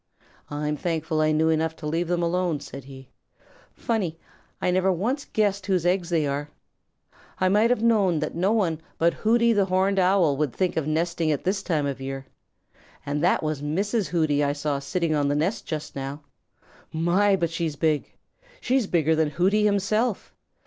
"I'm thankful I knew enough to leave them alone," said he. "Funny I never once guessed whose eggs they are. I might have known that no one but Hooty the Horned Owl would think of nesting at this time of year. And that was Mrs. Hooty I saw on the nest just now. My, but she's big! She's bigger than Hooty himself!